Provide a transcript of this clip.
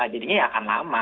jadinya ya akan lama